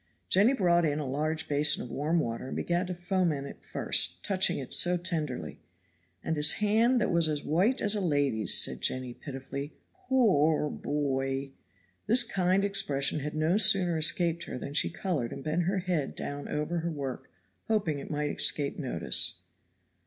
Jenny brought in a large basin of warm water and began to foment it first, touching it so tenderly. "And his hand that was as white as a lady's," said Jenny pitifully, "po o r bo y!" This kind expression had no sooner escaped her than she colored and bent her head down over her work, hoping it might escape notice.